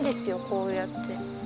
こうやって。